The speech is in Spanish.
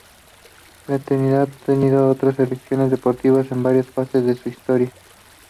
La entidad ha tenido otras secciones deportivas en varias fases de su historia.